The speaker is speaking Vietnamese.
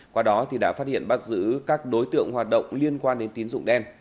qua đó đã phát hiện bắt giữ các đối tượng hoạt động liên quan đến tín dụng đen